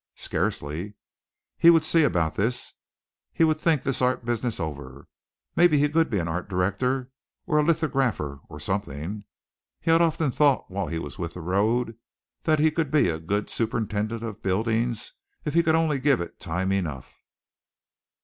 Scarcely. He would see about this. He would think this art business over. Maybe he could be an art director or a lithographer or something. He had often thought while he was with the road that he could be a good superintendent of buildings if he could only give it time enough.